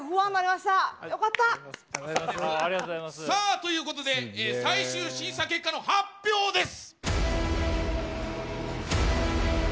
さあということで最終審査結果の発表です！